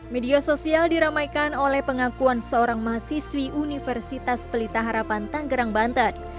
media sosial diramaikan oleh pengakuan seorang mahasiswi universitas pelita harapan tanggerang banten